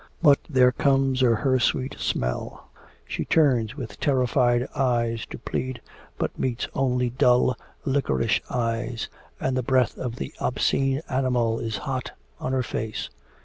But there comes a hirsute smell; she turns with terrified eyes to plead, but meets only dull, liquorish eyes, and the breath of the obscene animal is hot on her face.